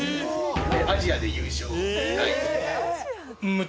アジアで優勝２回。